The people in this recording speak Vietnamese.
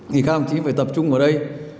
thì các ông chỉ phải tập trung ở đây